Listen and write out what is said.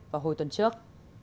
vào hồi tuần trước